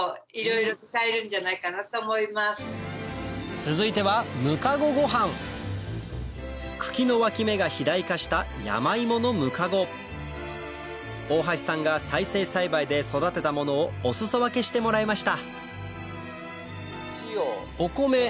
続いては茎のわき芽が肥大化したヤマイモのムカゴ大橋さんが再生栽培で育てたものをお裾分けしてもらいました